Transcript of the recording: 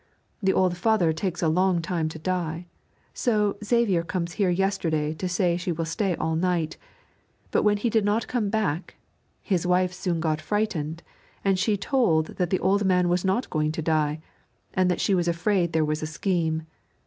The old father takes a long time to die, so Xavier comes here yesterday to say she will stay all night; but when he did not come back, his wife she got frightened, and she told that the old man was not going to die, that she was afraid there was a scheme.